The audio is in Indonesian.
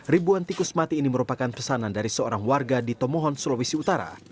ribuan tikus mati ini merupakan pesanan dari seorang warga di tomohon sulawesi utara